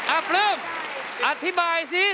อัพรึ่มอธิบายสิ